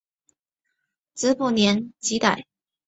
子卜怜吉歹。